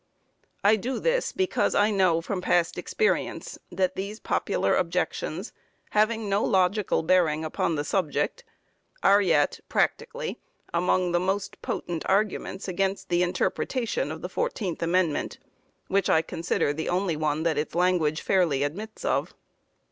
I do this because I know from past experience that these popular objections, having no logical bearing upon the subject, are yet, practically, among the most potent arguments against the interpretation of the fourteenth amendment, which I consider the only one that its language fairly admits of.